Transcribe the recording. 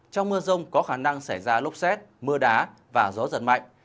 trong mưa rông có khả năng xảy ra lốc xét mưa đá và gió giật mạnh